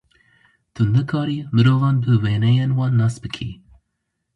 Tu nikarî mirovan bi wêneyên wan nas bikî.